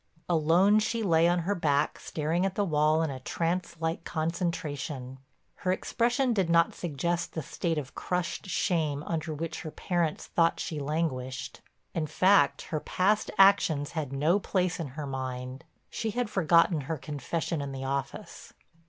Alone, she lay on her back staring at the wall in a trance like concentration. Her expression did not suggest the state of crushed shame under which her parents thought she languished. In fact her past actions had no place in her mind; she had forgotten her confession in the office.